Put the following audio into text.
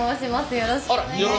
よろしくお願いします。